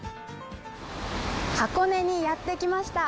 箱根にやってきました。